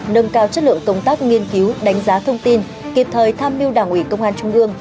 nâng cao chất lượng công tác nghiên cứu đánh giá thông tin kịp thời tham mưu đảng ủy công an trung ương